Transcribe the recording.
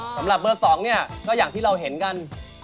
สำหรับเบอร์๒เนี่ยก็อย่างที่เราเห็นกัน